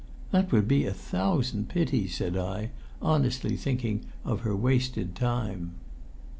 "That would be a thousand pities," said I, honestly thinking of her wasted time.